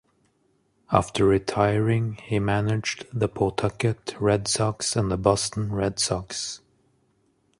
After retiring, he managed the Pawtucket Red Sox and the Boston Red Sox.